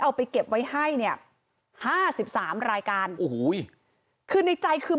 เอาไปเก็บไว้ให้เนี่ยห้าสิบสามรายการโอ้โหคือในใจคือ